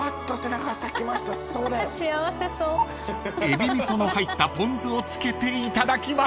［えびみその入ったポン酢をつけていただきます］